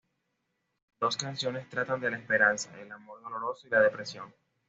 Dos canciones tratan de la esperanza, el amor doloroso y la depresión.